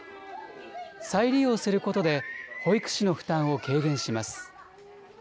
再利用することで、保育士の負担を軽減します。